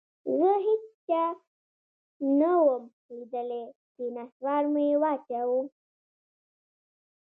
زه هېچا نه وم ليدلى چې نسوار مې واچاوه.